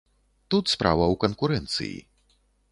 Тут справа ў канкурэнцыі.